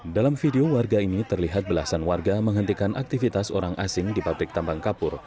dalam video warga ini terlihat belasan warga menghentikan aktivitas orang asing di pabrik tambang kapur